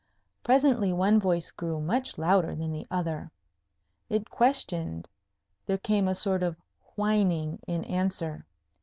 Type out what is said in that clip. Presently one voice grew much louder than the other. It questioned. There came a sort of whining in answer.